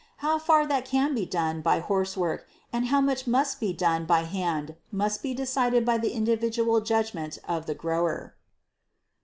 How far that can be done by horse work and how much must be done by hand must be decided by the individual judgment of the grower.